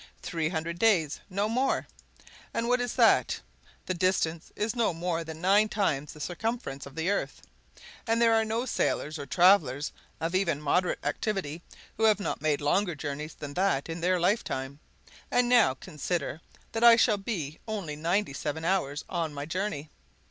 Three hundred days; no more! And what is that? The distance is no more than nine times the circumference of the earth; and there are no sailors or travelers, of even moderate activity, who have not made longer journeys than that in their lifetime. And now consider that I shall be only ninety seven hours on my journey.